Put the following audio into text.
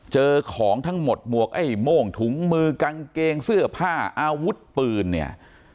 เจอของทั้งหมดหมวกไอ้โม่งถุงมือกางเกงเสื้อผ้าอาวุธปืนเนี่ย